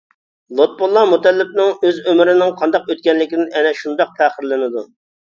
لۇتپۇللا مۇتەللىپنىڭ ئۆز ئۆمرىنىڭ قانداق ئۆتكەنلىكىدىن ئەنە شۇنداق پەخىرلىنىدۇ.